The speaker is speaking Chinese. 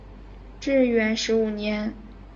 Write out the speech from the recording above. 至元十五年。